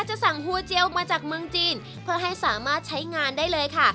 จะสั่งฮูเจียวมาจากเมืองจีนเพื่อให้สามารถใช้งานได้เลยค่ะ